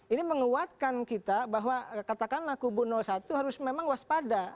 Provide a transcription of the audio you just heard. ini menguatkan kita bahwa katakanlah kubu satu harus memang waspada